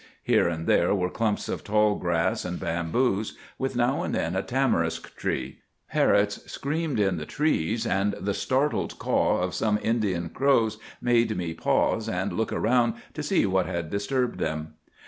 Here and there were clumps of tall grass and bamboos, with now and then a tamarisk tree. Parrots screamed in the trees, and the startled caw of some Indian crows made me pause and look around to see what had disturbed them.